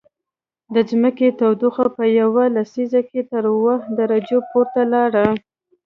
د ځمکې تودوخه په یوه لسیزه کې تر اووه درجو پورته لاړه